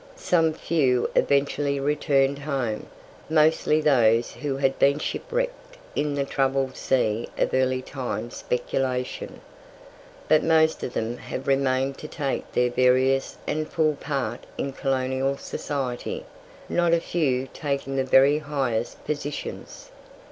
Some few eventually returned "Home," mostly those who had been shipwrecked in the troubled sea of early time speculation. But most of them have remained to take their various and full part in colonial society, not a few taking the very highest positions.